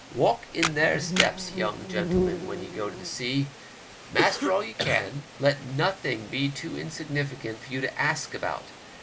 Walk in their steps, young gentlemen, when ye go to sea; master all ye can, let nothing be too insignificant for you to ask about.